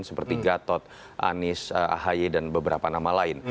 seperti gatot anies ahaye dan beberapa nama lain